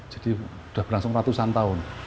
jadi sudah berlangsung ratusan tahun